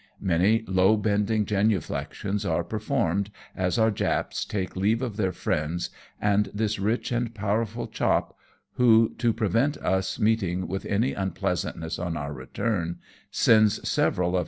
Many low bending genuflexions are performed as our Japs take leave of their friends and this rich and powerful chop,^ who, to prevent us meeting with any unpleasantness on our return, sends several of his own ' Equivalent to firm, such as W. H.